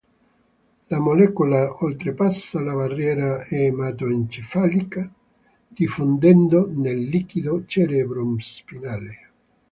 La molecola oltrepassa la barriera ematoencefalica diffondendo nel liquido cerebrospinale.